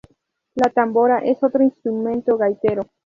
La tambora es otro instrumento gaitero.